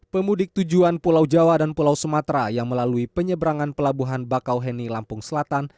pemudik tujuan pulau jawa dan pulau sumatera yang melalui penyeberangan pelabuhan bakauheni lampung selatan